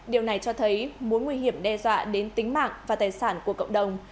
điều này cho thấy mối nguy hiểm đe dọa đến tính mạng và tài sản của cộng đồng